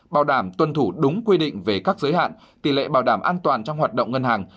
bảo đảm tuân thủ đúng quy định về các giới hạn tỷ lệ bảo đảm an toàn trong hoạt động ngân hàng